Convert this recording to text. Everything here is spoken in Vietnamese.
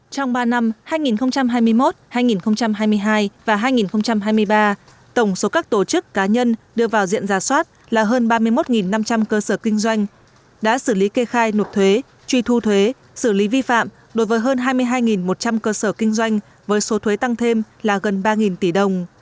trong ba năm hai nghìn hai mươi một hai nghìn hai mươi hai và hai nghìn hai mươi ba tổng số các tổ chức cá nhân đưa vào diện giả soát là hơn ba mươi một năm trăm linh cơ sở kinh doanh đã xử lý kê khai nộp thuế truy thu thuế xử lý vi phạm đối với hơn hai mươi hai một trăm linh cơ sở kinh doanh với số thuế tăng thêm là gần ba tỷ đồng